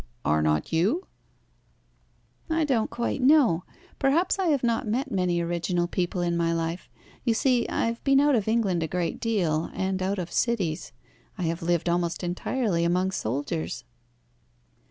"Are not you?" "I don't quite know. Perhaps I have not met many original people in my life. You see I have been out of England a great deal, and out of cities. I have lived almost entirely among soldiers."